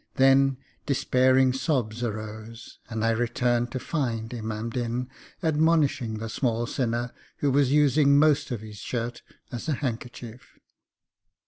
Then despairing sobs arose, and I returned to find Imam Din admonishing the small sinner who was using most of his shirt as a handkerchief.